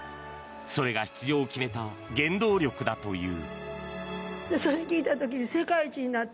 それが出場を決めた原動力だという。